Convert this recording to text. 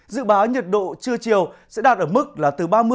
dự báo nhiệt độ trưa chiều sẽ đạt ở mức là từ ba mươi